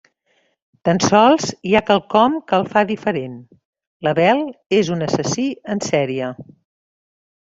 Tan sols hi ha quelcom que el fa diferent: l'Abel és un assassí en sèrie.